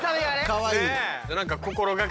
かわいい。